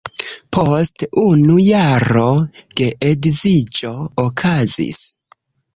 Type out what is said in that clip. Post unu jaro geedziĝo okazis.